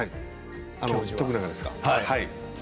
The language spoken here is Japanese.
徳永ですか？